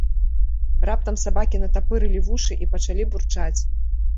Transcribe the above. Раптам сабакі натапырылі вушы і пачалі бурчаць.